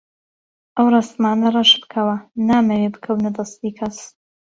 ئەو ڕەسمانە ڕەش بکەوە، نامەوێ بکەونە دەستی کەس.